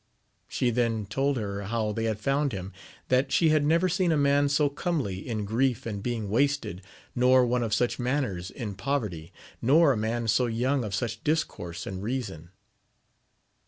She then told her how they had found him, that she had never seen a man sa comely, in grief and being wasted, nor one of such manners ii^ poverty, nor a man so young of such discourse and reason.